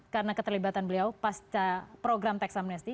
karena keterlibatan beliau pas program teksamnesti